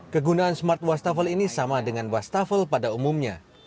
kegunaan smart washtafel ini sama dengan washtafel pada umumnya